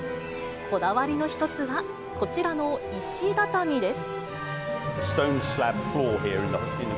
こだわりの一つは、こちらの石畳です。